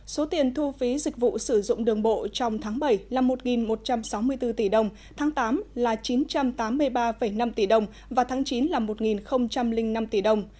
số tiền thu phí dịch vụ sử dụng đường bộ trong tháng bảy là một một trăm sáu mươi bốn tỷ đồng tháng tám là chín trăm tám mươi ba năm tỷ đồng và tháng chín là một năm tỷ đồng